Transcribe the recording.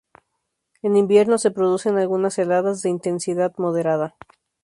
En invierno se producen algunas heladas, de intensidad moderada.